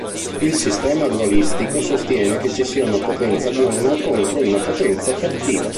Il sistema dualistico sostiene che ci sia una potenza buona contro una potenza cattiva.